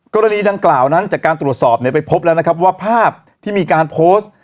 กรณีดังกล่าวนั้นจากการตรวจสอบเนี่ยไปพบแล้วนะครับว่าภาพที่มีการโพสต์